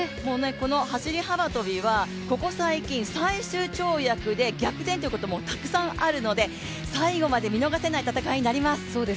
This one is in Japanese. この走幅跳はここ最近最終跳躍で逆転ということもたくさんあるので最後まで見逃せない戦いになります。